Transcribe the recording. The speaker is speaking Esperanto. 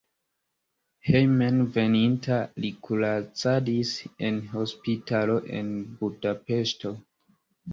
Hejmenveninta li kuracadis en hospitalo en Budapeŝto.